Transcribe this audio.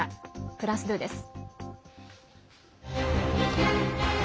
フランス２です。